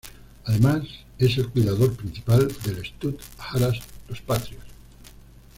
Además, es el cuidador principal del stud haras Los Patrios.